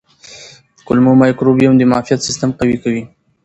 کولمو مایکروبیوم د معافیت سیستم قوي کوي.